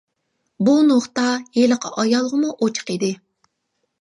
بۇ نۇقتا ھېلىقى ئايالغىمۇ ئوچۇق ئىدى.